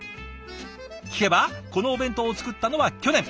聞けばこのお弁当を作ったのは去年。